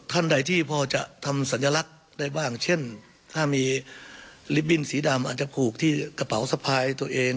ท่านใดที่พอจะทำสัญลักษณ์ได้บ้างเช่นถ้ามีลิฟตบิ้นสีดำอาจจะผูกที่กระเป๋าสะพายตัวเอง